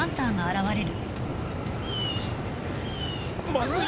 まずい！